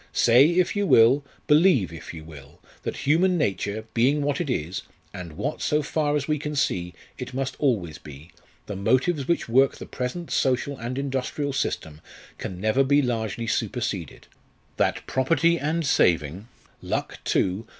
Say, if you will believe, if you will, that human nature, being what it is, and what, so far as we can see, it always must be, the motives which work the present social and industrial system can never be largely superseded; that property and saving luck, too!